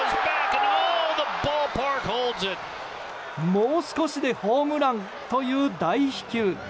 もう少しでホームランという大飛球。